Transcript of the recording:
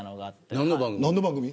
何の番組。